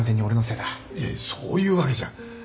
いやそういうわけじゃ。